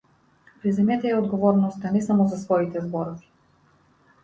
Преземете ја одговорноста не само за своите зборови.